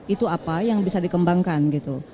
itu apa yang bisa dikembangkan gitu